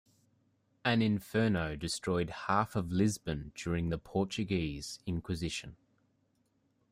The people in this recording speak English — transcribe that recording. An inferno destroyed half of Lisbon during the Portuguese inquisition.